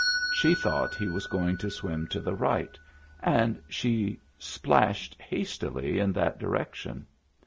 She thought he was going to swim to the right, and she splashed hastily in that direction.